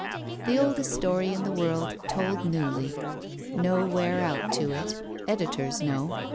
The oldest story in the world told newly. No wear out to it. Editors know.